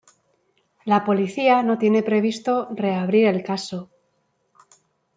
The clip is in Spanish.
La Policía no tiene previsto reabrir el caso.